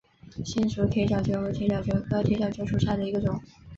新竹铁角蕨为铁角蕨科铁角蕨属下的一个种。